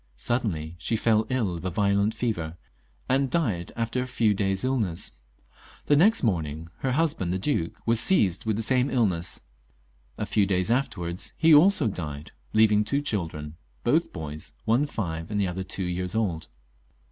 Sud denly she fell ill of a violent feter, and died after a few days' iUness. The next morning her husband, the duke, was seized with the same illness ; a few days after he also died, leaving two children, both boys, one five and the other two years old.